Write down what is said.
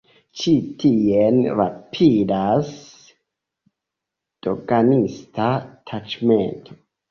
Ĉi tien rapidas doganista taĉmento.